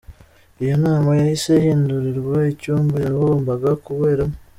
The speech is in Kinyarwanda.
Iyo nama yahise ihindurirwa icyumba yagombaga kuberamo.